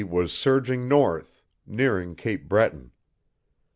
_ was surging north, nearing Cape Breton.